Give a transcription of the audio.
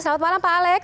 selamat malam pak alex